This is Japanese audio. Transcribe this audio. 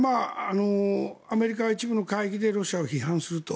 アメリカは一部の会議でロシアを批判すると。